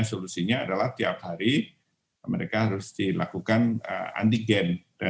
solusinya adalah tiap hari mereka harus dilakukan anti gen